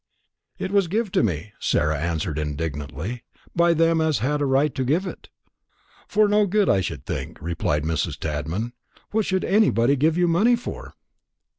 "It was give to me," Sarah answered indignantly, "by them as had a right to give it." "For no good, I should think," replied Mrs. Tadman; "what should anybody give you money for?"